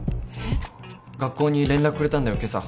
学校に連絡くれたんだよけさ。